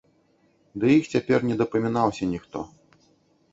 Ды іх цяпер не дапамінаўся ніхто.